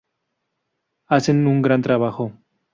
Hacen un gran trabajo".